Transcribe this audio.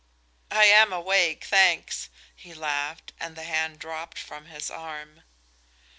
"I am awake, thanks," he laughed, and the hand dropped from his arm.